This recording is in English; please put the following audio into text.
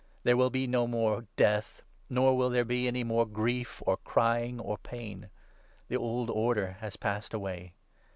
There will be no more death, nor will there be any more grief or crying or pain. The old order has passed away.'